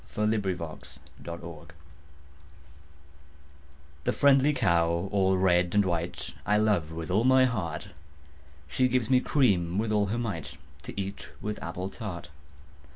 XXIII The Cow The friendly cow all red and white, I love with all my heart: She gives me cream with all her might, To eat with apple tart.